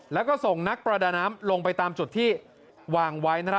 แล้วก็ส่งนักประดาน้ำลงไปตามจุดที่วางไว้